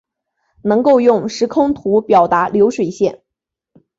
能够用时空图表达流水线